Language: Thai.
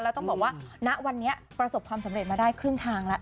แล้วต้องบอกว่าณวันนี้ประสบความสำเร็จมาได้ครึ่งทางแล้ว